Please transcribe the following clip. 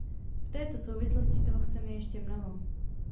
V této souvislosti toho chceme ještě mnoho.